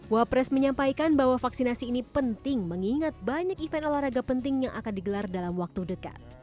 wapres menyampaikan bahwa vaksinasi ini penting mengingat banyak event olahraga penting yang akan digelar dalam waktu dekat